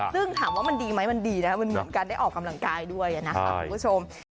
ซึ่งถามว่ามันดีไหมมันดีนะครับมันเหมือนการได้ออกกำลังกายด้วยนะคะคุณผู้ชม